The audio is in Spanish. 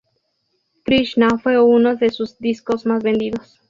Krishna fue uno de sus discos más vendidos.